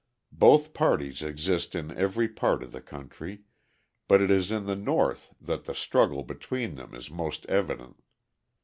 Both parties exist in every part of the country, but it is in the North that the struggle between them is most evident.